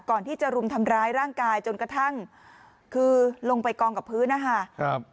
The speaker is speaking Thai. ก่อนที่จะรุมทำร้ายร่างกายจนกระทั่งคือลงไปกองกับพื้นนะคะครับ